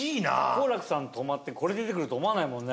「幸楽」さん泊まってこれ出てくると思わないもんね。